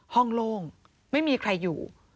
โล่งไม่มีใครอยู่